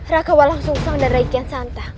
raka walang sung sang dan rai kian santang